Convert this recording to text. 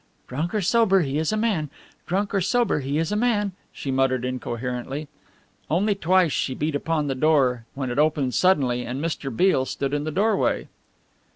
"Drunk or sober he is a man! Drunk or sober he is a man!" she muttered incoherently. Only twice she beat upon the door when it opened suddenly and Mr. Beale stood in the doorway.